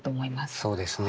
そうですね。